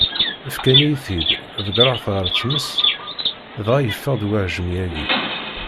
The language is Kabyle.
Fkan-iyi-t-id, ḍeggreɣ-t ɣer tmes, dɣa yeffeɣ-d uɛejmi-agi.